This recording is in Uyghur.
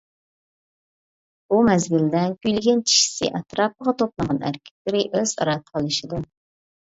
بۇ مەزگىلدە كۈيلىگەن چىشىسى ئەتراپىغا توپلانغان ئەركەكلىرى ئۆزئارا تالىشىدۇ.